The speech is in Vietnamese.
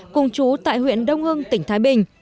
cùng chú tại huyện đông hưng tỉnh thái bình